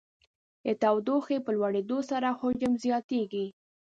د تودوخې په لوړېدو سره حجم زیاتیږي.